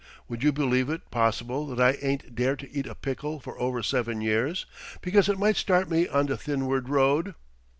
Would you believe it possible that I ain't dared to eat a pickle for over seven years, because it might start me on the thinward road?"